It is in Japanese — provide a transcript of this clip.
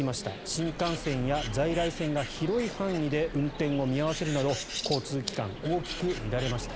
新幹線や在来線が広い範囲で運転を見合わせるなど交通機関、大きく乱れました。